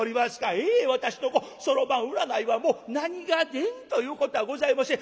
ええ私のそろばん占いはもう何が出んということはございません。